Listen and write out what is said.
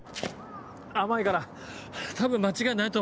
甘いから多分間違いないと思う。